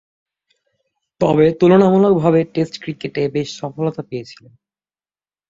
তবে, তুলনামূলকভাবে টেস্ট ক্রিকেটে বেশ সফলতা পেয়েছিলেন।